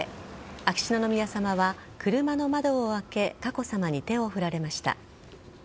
秋篠宮さまは車の窓を開け佳子さまに手を振られました。